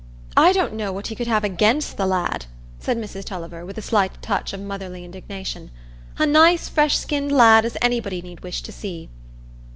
"I don't know what he could have against the lad," said Mrs Tulliver, with a slight touch of motherly indignation; "a nice fresh skinned lad as anybody need wish to see."